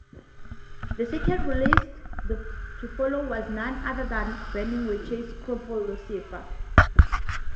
The second release to follow was none other than Burning Witch's Crippled Lucifer.